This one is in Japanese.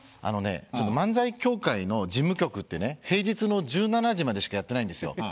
あのねちょっと漫才協会の事務局ってね平日の１７時までしかやってないんですよ。